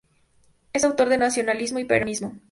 Es autor de "Nacionalismo y peronismo.